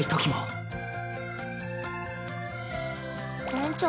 店長